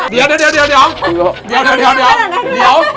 เดี๋ยวเดี๋ยวเดี๋ยว